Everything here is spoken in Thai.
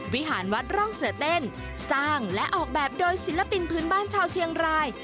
วิหารวัดร่องเสือเต้นสร้างและออกแบบโดยศิลปินพื้นบ้านชาวเชียงราย